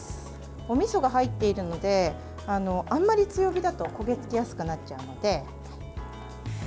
おみそが入っているのであまり強火だと焦げ付きやすくなっちゃうので。